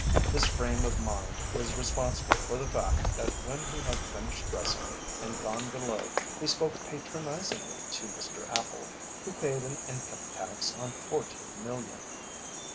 This frame of mind was responsible for the fact that when he had finished dressing and gone below he spoke patronizingly to Mr. Appel, who paid an income tax on fourteen million.